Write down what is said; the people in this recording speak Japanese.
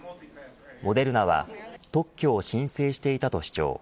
モデルナは特許を申請していたと主張。